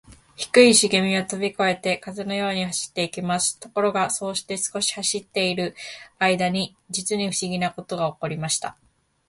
低いしげみはとびこえて、風のように走っていきます。ところが、そうして少し走っているあいだに、じつにふしぎなことがおこりました。